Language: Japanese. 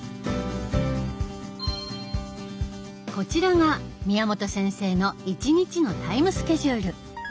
こちらが宮本先生の１日のタイムスケジュール。